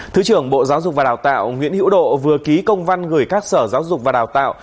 thứ trưởng bộ giáo dục và đào tạo nguyễn hữu độ vừa ký công văn gửi các sở giáo dục và đào tạo